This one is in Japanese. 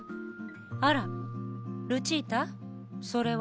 あらルチータそれは？